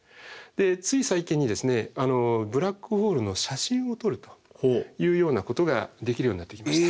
つい最近にブラックホールの写真を撮るというようなことができるようになってきました。